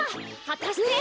はたして。